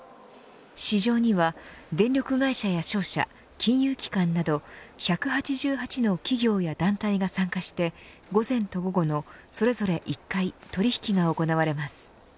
市場には、電力会社や商社金融機関など１８８の企業や団体が参加して午前と午後の、それぞれ１回取引が行われます。